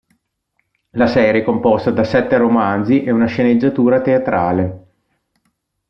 La serie è composta da sette romanzi e una sceneggiatura teatrale.